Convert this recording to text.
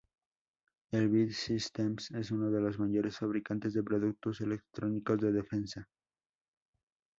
Elbit Systems es uno de los mayores fabricantes de productos electrónicos de defensa.